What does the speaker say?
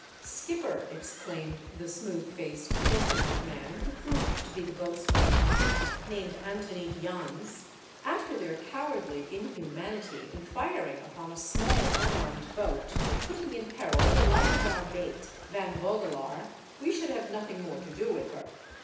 " Skipper," exclaimed the smooth faced, corpulent man, who proved to be the boats wain, named Antony Jans, "after their cowardly inhumanity in firing upon a small unarmed boat, and putting in peril the life of our mate, Van Vogelaar, we should have nothing more to do with her."